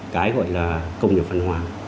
cái gọi là công nghiệp văn hóa